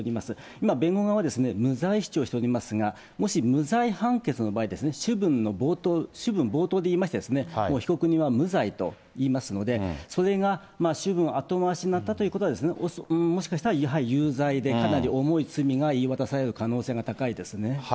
今弁護側は無罪主張しておりますが、もし無罪判決の場合、主文の冒頭、主文冒頭で言いまして、被告人は無罪と言いますので、それが主文後回しになったということは、もしかしたら有罪で、かなり重い罪が言い渡される可能性が高いですね。